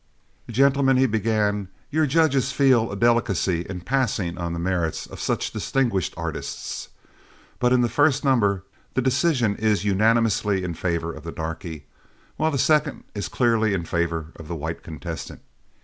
"Gentlemen," he began, "your judges feel a delicacy in passing on the merits of such distinguished artists, but in the first number the decision is unanimously in favor of the darky, while the second is clearly in favor of the white contestant.